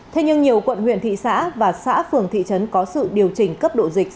thế nhưng nhiều quận huyện thị xã và xã phường thị trấn có sự điều chỉnh cấp độ dịch